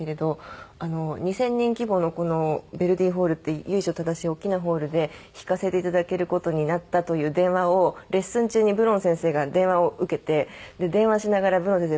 ２０００人規模のこのヴェルディホールっていう由緒正しい大きなホールで弾かせていただける事になったという電話をレッスン中にブロン先生が電話を受けて電話しながらブロン先生